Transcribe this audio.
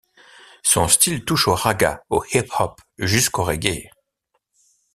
Son style touche au ragga, au hip-hop jusqu'au reggae.